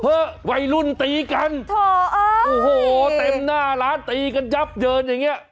เฮ้วัยรุ่นตีกันโถ่เอ้ยโอ้โหเต็มหน้าล้านตีกันจับเยินอย่างเนี่ย